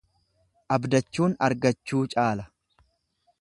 Abdachuun argachuu caala.